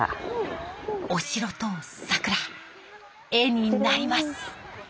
お城と桜絵になります。